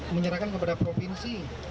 menyerahkan kepada provinsi